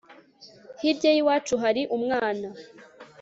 hirya y'iwacu hari umwana